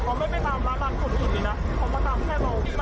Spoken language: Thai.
ใช่ก็เลยคิดว่าน่าจะมีมันใจเดียว